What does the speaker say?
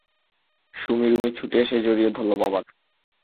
সুমী রুমী ছুটে এসে জড়িয়ে ধরল বাবাকে!